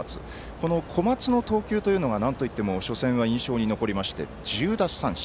この小松の投球というのがなんといっても初戦は印象に残りまして１０奪三振。